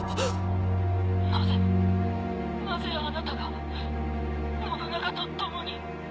なぜなぜあなたが信長と共に。